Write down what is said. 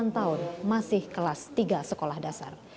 delapan tahun masih kelas tiga sekolah dasar